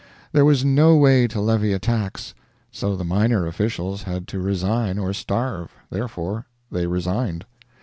There was no way to levy a tax, so the minor officials had to resign or starve; therefore they resigned.